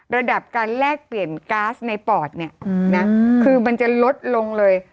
ระดับการแลกเปลี่ยนก๊าซในปอดเนี่ยนะคือมันจะลดลงเลย